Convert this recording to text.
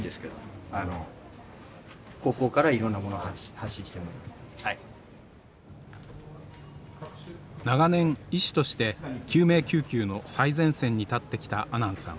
もう長年医師として救命救急の最前線に立ってきた阿南さん。